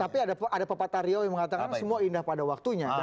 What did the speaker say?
tapi ada pak patah riau yang mengatakan semua indah pada waktunya